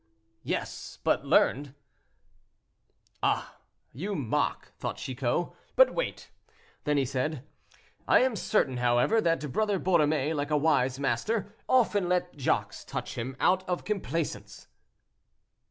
"Yes, but learned." "Ah! you mock," thought Chicot, "but wait." Then he said, "I am certain, however, that Brother Borromée, like a wise master, often let Jacques touch him out of complaisance."